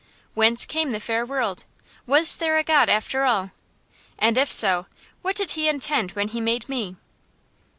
Whence came the fair world? Was there a God, after all? And if so, what did He intend when He made me?